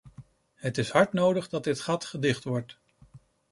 Het is hard nodig dat dit gat gedicht wordt.